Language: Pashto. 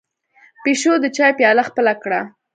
پيشو د چای پياله خپله کړه.